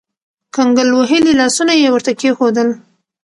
کنګل وهلي لاسونه يې ورته کېښودل.